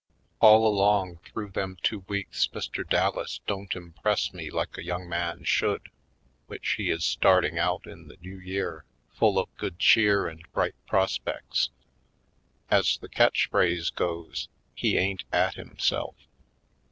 All along through them two weeks Mr. Dallas don't impress me like a young man should which he is starting out in the New Year full of good cheer and bright prospects. As the catch word goes, he ain't at himself.